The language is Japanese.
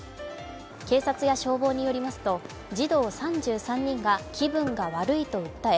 警察や消防によりますと児童３３人が気分が悪いと訴え